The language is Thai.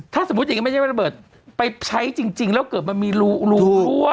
ถ้าสมมุติอย่างนี้ไม่ใช่ว่าระเบิดไปใช้จริงแล้วเกิดมันมีรูรั่ว